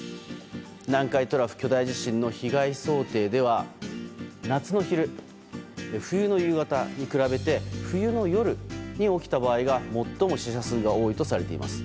南海トラフ巨大地震の被害想定では夏の昼、冬の夕方に比べて冬の夜に起きた場合が最も死者数が多いとされています。